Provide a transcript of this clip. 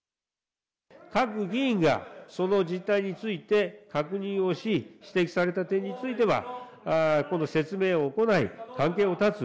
各議員が、その実態について確認をし、指摘された点については、この説明を行い、関係を断つ。